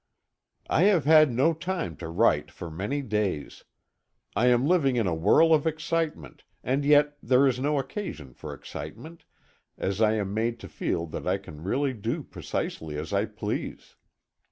] I have had no time to write for many days. I am living in a whirl of excitement, and yet there is no occasion for excitement, as I am made to feel that I can really do precisely as I please.